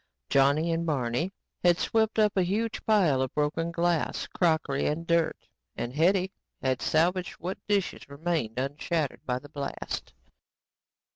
Johnny and Barney had swept up a huge pile of broken glass, crockery and dirt and Hetty had salvaged what dishes remained unshattered by the blast.